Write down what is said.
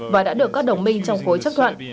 và đã được các đồng minh trong khối chấp thuận